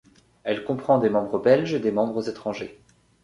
Elle comprend des membres belges et des membres étrangers.